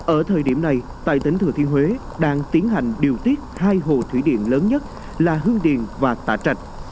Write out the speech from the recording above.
ở thời điểm này tại tỉnh thừa thiên huế đang tiến hành điều tiết hai hồ thủy điện lớn nhất là hương điền và tà trạch